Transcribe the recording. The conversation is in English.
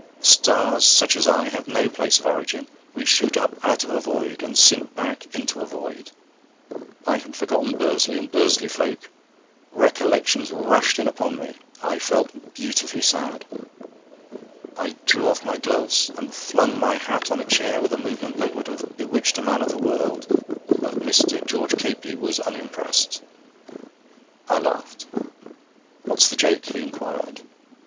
Stars such as I have no place of origin. We shoot up out of a void, and sink back into a void. I had forgotten Bursley and Bursley folk. Recollections rushed in upon me.... I felt beautifully sad. I drew off my gloves, and flung my hat on a chair with a movement that would have bewitched a man of the world, but Mr. George Capey was unimpressed. I laughed. 'What's the joke?' he inquired.